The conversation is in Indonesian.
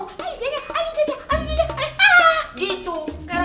aduh jajah aduh jajah aduh jajah aduh jajah